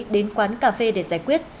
đến quán cà phê để giải quyết